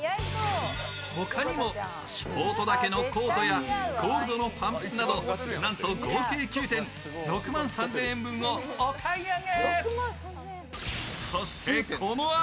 他にも、ショート丈のコートやゴールドのパンプスなどなんと合計９点６万３０００円分をお買い上げ。